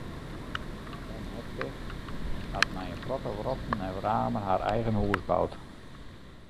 Mem Hedwig hat mei in protte wrotten en wramen har eigen hûs boud.